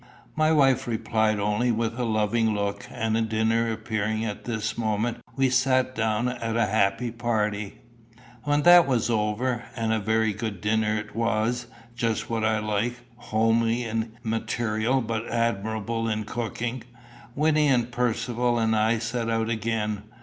My wife replied only with a loving look, and dinner appearing at this moment, we sat down a happy party. When that was over and a very good dinner it was, just what I like, homely in material but admirable in cooking Wynnie and Percivale and I set out again.